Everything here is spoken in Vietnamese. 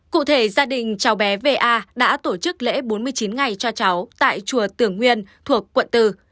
cụ thể gia đình cháu bé va đã tổ chức lễ bốn mươi chín ngày cho cháu tại chùa tường nguyên thuộc quận bốn